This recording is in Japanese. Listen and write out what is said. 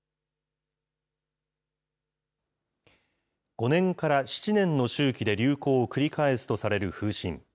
５年から７年の周期で流行を繰り返すとされる風疹。